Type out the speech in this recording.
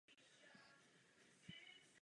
Ústí do Indického oceánu.